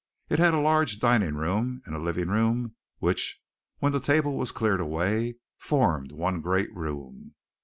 It had a large dining room and living room which when the table was cleared away formed one great room.